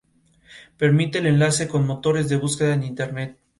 Estaba en el equipo de coreografía de Lee Hyo Ri antes de debutar.